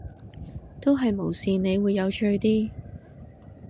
都係無視你會有趣啲